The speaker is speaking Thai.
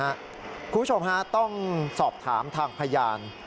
คุณผู้ชมฮะต้องสอบถามทางพยาน